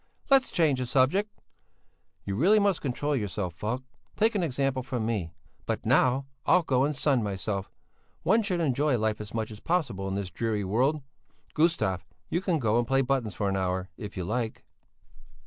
"Let's change the subject!" "You really must control yourself, Falk! Take an example from me! But now I'll go and sun myself; one should enjoy life as much as possible in this dreary world. Gustav, you can go and play buttons for an hour, if you like."